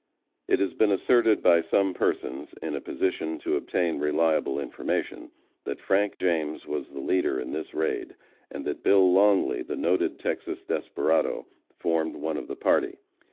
It has been asserted by some persons, in a position to obtain reliable information, that Frank James was the leader in this raid, and that Bill Longley, the noted Texas desperado, formed one of the party.